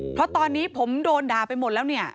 เพราะตอนนี้ผมโดนด่าไปหมดแล้วเนี่ย